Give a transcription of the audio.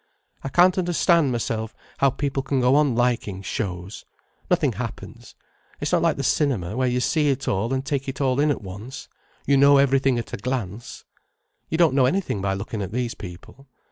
I can't understand, myself, how people can go on liking shows. Nothing happens. It's not like the cinema, where you see it all and take it all in at once; you know everything at a glance. You don't know anything by looking at these people.